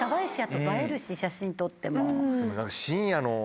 写真撮っても。